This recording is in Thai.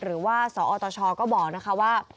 หรือว่าสอตชก็บอกนะคะว่า